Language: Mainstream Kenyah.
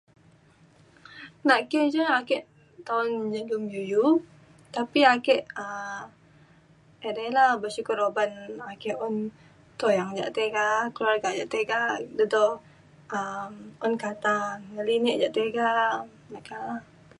na ki ja ake nta un [unintelligible] iu iu tapi ake um edei la bersyukur uban ake un tuyang yak tiga keluarga yak tiga de dau um un kata ngelinek ja tiga meka la